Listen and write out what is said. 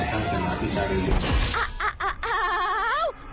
ต้องชนะพี่จารย์